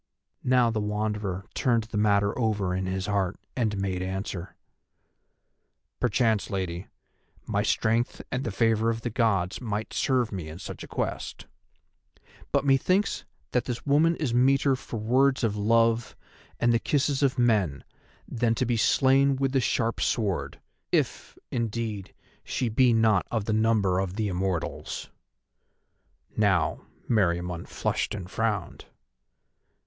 Now the Wanderer turned the matter over in his heart and made answer: "Perchance, Lady, my strength and the favour of the Gods might serve me in such a quest. But methinks that this woman is meeter for words of love and the kisses of men than to be slain with the sharp sword, if, indeed, she be not of the number of the immortals." Now Meriamun flushed and frowned.